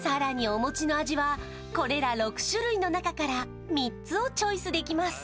お餅の味はこれら６種類の中から３つをチョイスできます